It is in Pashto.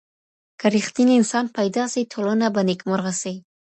که رښتينی انسان پيدا سي، ټولنه به نېکمرغه سي.